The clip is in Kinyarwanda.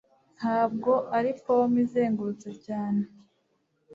Ntabwo ari pome izengurutse cyane